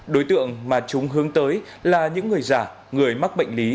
đối tượng mà chúng hướng tới là những người già người mắc bệnh lý